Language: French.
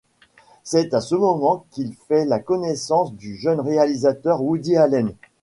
C'est à ce moment qu'il fait la connaissance du jeune réalisateur Woody Allen.